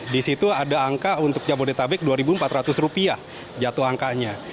di situ ada angka untuk jabodetabek rp dua empat ratus jatuh angkanya